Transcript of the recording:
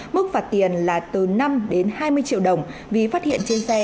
mức phạt tiền là từ năm đến hai mươi triệu đồng vì phát hiện trên xe